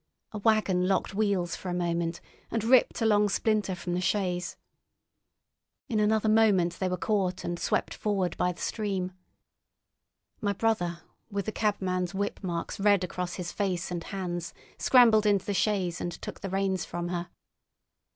A waggon locked wheels for a moment and ripped a long splinter from the chaise. In another moment they were caught and swept forward by the stream. My brother, with the cabman's whip marks red across his face and hands, scrambled into the chaise and took the reins from her.